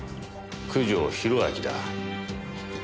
九条宏明だ。